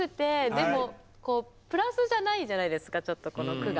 でもこうプラスじゃないじゃないですかちょっとこの句が。